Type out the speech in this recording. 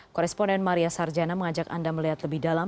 koresponden maria sarjana mengajak anda melihat lebih dalam